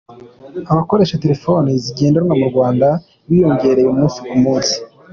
Abakoresha telefoni zigendanwa mu Rwanda biyongera umunsi ku munsi.